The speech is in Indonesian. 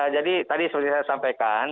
jadi tadi seperti saya sampaikan